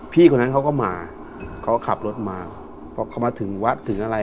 คนนั้นเขาก็มาเขาก็ขับรถมาพอเขามาถึงวัดถึงอะไร